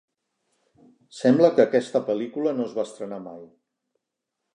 Sembla que aquesta pel·lícula no es va estrenar mai.